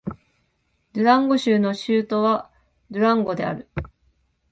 ドゥランゴ州の州都はドゥランゴである